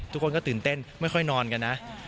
ทุกคนก็ตื่นเต้นไม่ค่อยนอนกันนะ